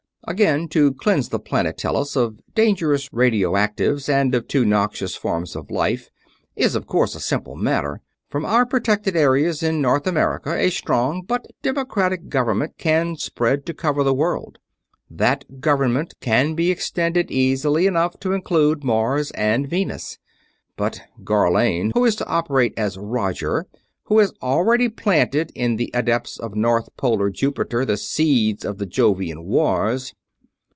"Again to cleanse the planet Tellus of dangerous radioactives and of too noxious forms of life is of course a simple matter. From our protected areas in North America a strong but democratic government can spread to cover the world. That government can be extended easily enough to include Mars and Venus. But Gharlane, who is to operate as Roger, who has already planted, in the Adepts of North Polar Jupiter, the seeds of the Jovian Wars....